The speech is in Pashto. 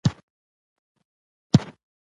محبت مې د قسمت په دوړو کې ښخ شو.